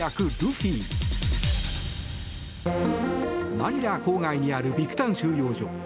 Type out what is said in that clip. マニラ郊外にあるビクタン収容所。